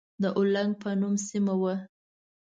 د اولنګ په نوم سيمه وه.